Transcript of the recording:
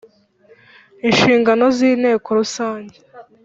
Inshingano z inteko rusange